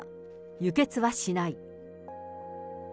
輸血はしない。